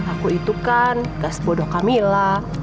aku itu kan gas bodoh camilla